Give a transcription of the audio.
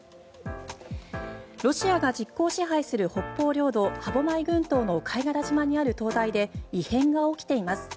ロシアが実効支配する北方領土歯舞群島の貝殻島にある灯台で異変が起きています。